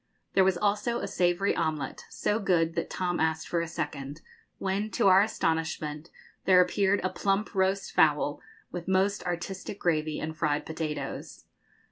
There was also a savoury omelette, so good that Tom asked for a second; when, to our astonishment, there appeared a plump roast fowl, with most artistic gravy and fried potatoes.